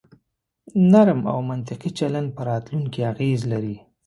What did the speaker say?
نرم او منطقي چلن په راتلونکي اغیز لري.